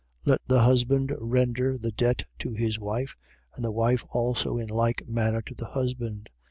Let the husband render the debt to his wife: and the wife also in like manner to the husband.